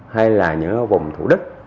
hay là những vùng thủ đức